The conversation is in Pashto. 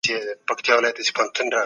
څه ډول پرېکړه لیکونه د شخړو مخه نیسي؟